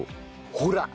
ほら！